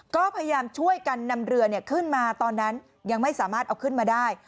ก็พยายามช่วยกันนำเรือขึ้นมาตอนนั้นยังไม่สามารถเอาขึ้นมาได้